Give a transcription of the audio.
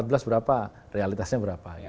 realitasnya berapa realitasnya berapa